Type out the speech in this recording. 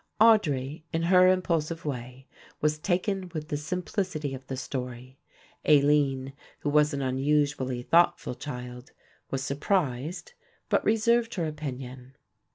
Audry, in her impulsive way, was taken with the simplicity of the story. Aline, who was an unusually thoughtful child, was surprised, but reserved her opinion.